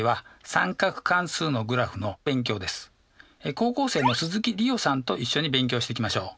高校生の鈴木梨予さんと一緒に勉強していきましょう。